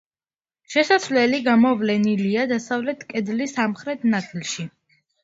შესასვლელი გამოვლენილია დასავლეთ კედლის სამხრეთ ნაწილში.